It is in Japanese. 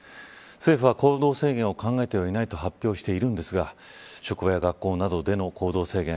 政府は、行動制限を考えてはいないと発表しているんですが職場や学校などでの行動制限